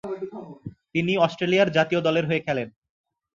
তিনি অস্ট্রেলিয়ার জাতীয় দলের হয়ে খেলেন।